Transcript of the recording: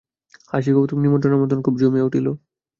হাসিকৌতুক নিমন্ত্রণ-আমন্ত্রণ খুব জমিয়া উঠিল।